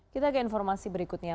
kita ke informasi berikutnya